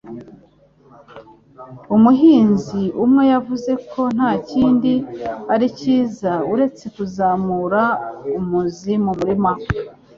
Umuhinzi umwe yavuze ko "nta kindi ari cyiza uretse kuzamura amuzi mumurima"